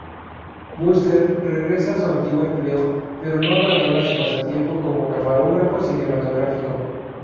Buster regresa a su antiguo empleo, pero no abandona su pasatiempo como camarógrafo cinematográfico.